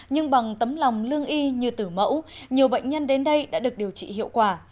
nhưng bằng tấm lòng lương y như tử mẫu nhiều bệnh nhân đến đây đã được điều trị hiệu quả